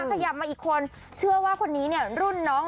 ขยับมาอีกคนเชื่อว่าคนนี้เนี่ยรุ่นน้อง